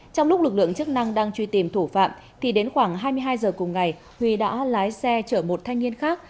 trong lúc lực lượng chức năng đang truy tìm thủ phạm thì đến khoảng hai mươi hai h cùng ngày huy đã lái xe chở một thanh niên khác